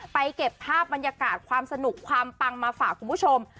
เก็บภาพบรรยากาศความสนุกความปังมาฝากคุณผู้ชม